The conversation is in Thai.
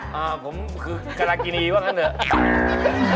ผมคือกรกินีว่างั้นเหรอ